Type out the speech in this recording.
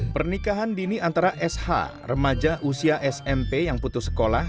pernikahan dini antara sh remaja usia smp yang putus sekolah